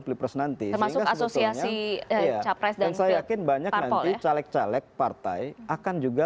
pilpres nanti sehingga sebetulnya iya dan saya yakin banyak nanti caleg caleg partai akan juga